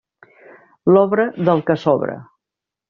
L'obra, del que sobra.